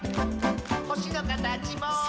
「ほしのかたちも」